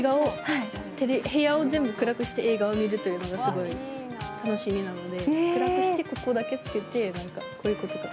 部屋を全部暗くして映画を見るというのが楽しみなので暗くしてここだけつけて、こういうことか。